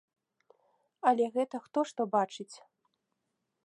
Але гэта хто што бачыць.